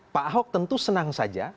pak ahok tentu senang saja